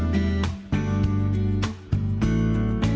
trong những năm trước